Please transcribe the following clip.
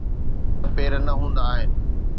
ڪوڙ جا پير نه هوندا آهن.